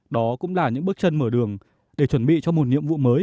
đó cũng là những bước chân mở đường để chuẩn bị cho một nhiệm vụ mới